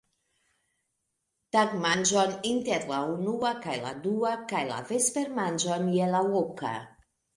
tagmanĝon inter la unua kaj la dua kaj la vespermanĝon je la oka.